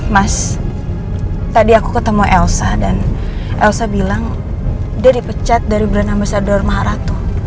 mas tadi aku ketemu elsa dan elsa bilang dia dipecat dari bernama sadar maharatu